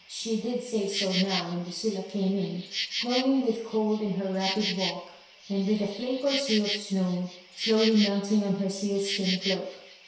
She did say so now when Lucilla came in, glow ing with cold and her rapid walk, and with a flake or two of snow slowly melting on her sealskin cloak.